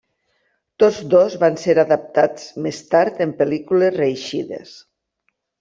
Tots dos van ser adaptats més tard en pel·lícules reeixides.